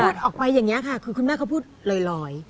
พูดออกไปอย่างนี้ค่ะคือคุณแม่เขาพูดลอย